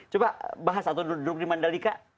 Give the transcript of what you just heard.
coba bahas atau duduk di mandalika